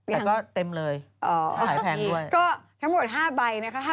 แต่ก็เต็มเลยเขาขายแพงด้วยก็ทั้งหมด๕ใบนะคะ